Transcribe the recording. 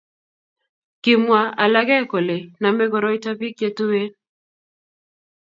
Kimwa alake kole nomei koroita bik chetuen